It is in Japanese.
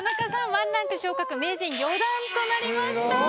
１ランク昇格名人４段となりました。